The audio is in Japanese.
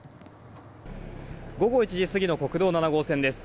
午後１時過ぎの国道７号線です。